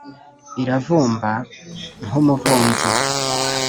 iravumba nk’umuvumbyi,